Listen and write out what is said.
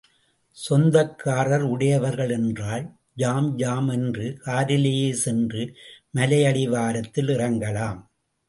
சொந்தக்கார் உடையவர்கள் என்றால் jam jam என்று காரிலேயே சென்று மலையடிவாரத்தில் இறங்கலாம்.